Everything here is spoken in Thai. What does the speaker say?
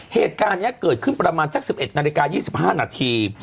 เหตุการณ์นี้เกิดขึ้นประมาณสัก๑๑นาฬิกา๒๕นาที